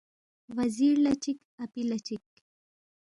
وزیر لہ چِک اپی لہ چِک